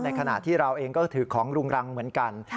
ขณะที่เราเองก็ถือของรุงรังเหมือนกัน